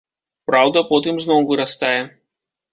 Праўда, потым зноў вырастае.